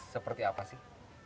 seperti apa sih